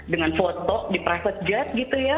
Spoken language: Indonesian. dengan foto di private jet gitu ya